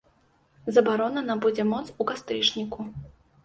Забарона набудзе моц у кастрычніку.